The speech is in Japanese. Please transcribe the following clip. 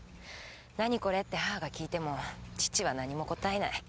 「何これ？」って母が訊いても父は何も答えない。